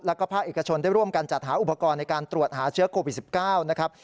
แล้วก็ภาคเอกชนได้ร่วมกันจัดหาอุปกรณ์ในการตรวจหาเชื้อโควิด๑๙นะครับ